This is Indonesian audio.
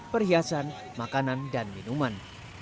perhiasan makanan dan minuman